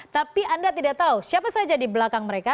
tapi anda tidak tahu siapa saja di belakang mereka